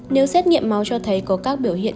nếu xét nghiệm máu cho thấy có các biểu hiện